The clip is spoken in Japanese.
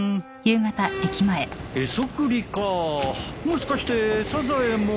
もしかしてサザエも。